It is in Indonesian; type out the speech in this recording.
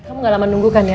kamu gak lama nunggu kan ya